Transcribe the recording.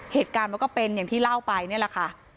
เหตุการณ์มันก็เป็นอย่างที่เล่าไปนี่แหละค่ะ